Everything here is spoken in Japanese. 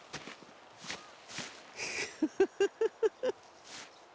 フフフフフ。